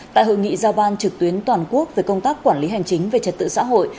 tại hội nghị giao ban trực tuyến toàn quốc về công tác quản lý hành chính về trật tự xã hội